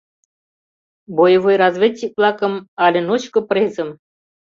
Боевой разведчик-влакым але... ночко презым?